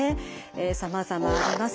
さまざまあります。